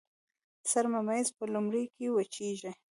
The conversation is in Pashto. سر ممیز په لمر کې وچیږي.